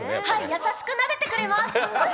優しくなでてくれます。